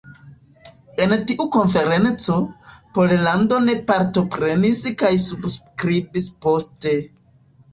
En tiu konferenco, Pollando ne partoprenis kaj subskribis poste.